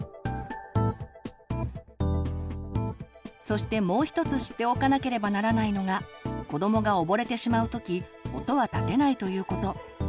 そしてもう一つ知っておかなければならないのが子どもが溺れてしまう時音は立てないということ。